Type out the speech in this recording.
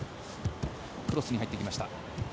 クロスに入ってきました。